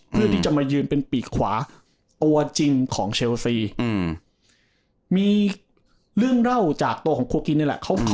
เพื่อที่จะมายืนเป็นปีกขวาตัวจริงของเชลซีอืมมีเรื่องเล่าจากตัวของครัวกินนี่แหละ